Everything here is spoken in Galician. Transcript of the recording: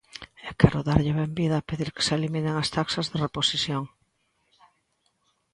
E quero darlle a benvida a pedir que se eliminen as taxas de reposición.